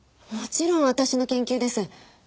もちろん私の研究です。